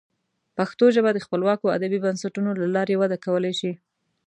پښتو ژبه د خپلواکو ادبي بنسټونو له لارې وده کولی شي.